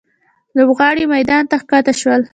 لوبغاړي میدان ته ښکته شول.